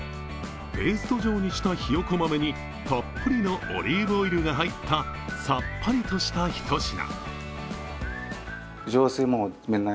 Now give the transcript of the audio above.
ペースト状にしたひよこ豆にたっぷりのオリーブオイルが入ったさっぱりとした一品。